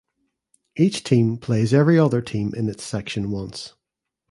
Each team plays every other team in its section once.